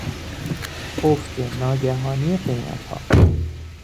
افت ناگهانی قیمتها